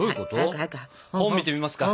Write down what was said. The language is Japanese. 本見てみますか？